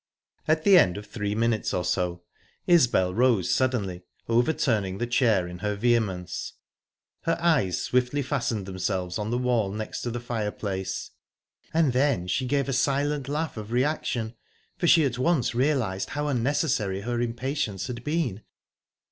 At the end of three minutes or so, Isbel rose suddenly, overturning the chair in her vehemence. Her eyes swiftly fastened themselves on the wall next to the fireplace...And then she gave a silent laugh of reaction, for she at once realised how unnecessary her impatience had been.